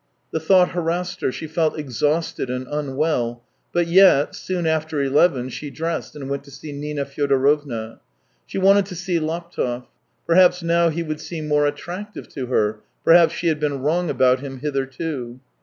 The thought harassed her, she felt exhausted and unwell; but yet, soon after eleven, she dressed and went to see Nina Fyodorovna. She wanted to see Laptev: perhaps now he would seem more attractive to her; perhaps she had been wrong about him hitherto.